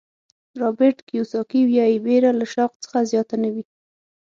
رابرټ کیوساکي وایي وېره له شوق څخه زیاته نه وي.